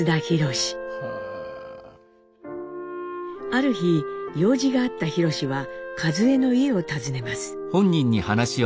ある日用事があった弘史は和江の家を訪ねます。